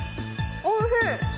おいしい！